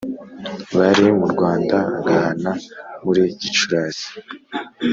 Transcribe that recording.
bari mu rwanda agahana muri gicurasi